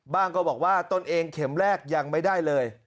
ก็บอกว่าตนเองเข็มแรกยังไม่ได้เลย